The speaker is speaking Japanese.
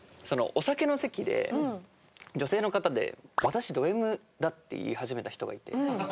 お酒の席で女性の方で「私ドＭだ」って言い始めた人がいて。